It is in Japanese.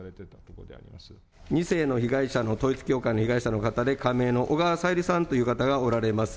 ２世の被害者の、統一教会の被害者の方で仮名の小川さゆりさんという方がおられます。